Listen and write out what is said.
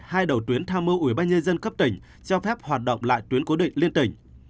hai đầu tuyến tham mưu ủy ban nhân dân cấp tỉnh cho phép hoạt động lại tuyến cố định liên tỉnh